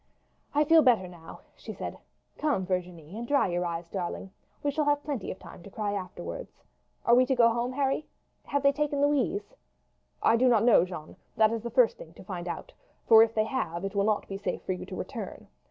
"I feel better now," she said. "Come, Virginie, and dry your eyes, darling; we shall have plenty of time to cry afterwards. Are we to go home, Harry? Have they taken Louise?" "I do not know, Jeanne; that is the first thing to find out, for if they have, it will not be safe for you to return.